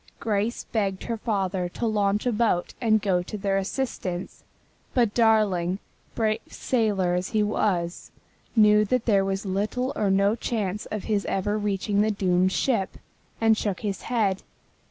Grace begged her father to launch a boat and go to their assistance, but Darling, brave sailor as he was, knew that there was little or no chance of his ever reaching the doomed ship, and shook his head.